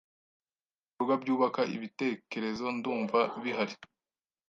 Ibikorwa byubaka ibitekerezo ndumva bihari